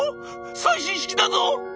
最新式だぞ？」。